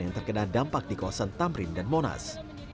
yang terkena dampak di kawasan tamrin dan monas